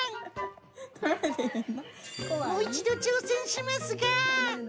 もう一度挑戦しますが。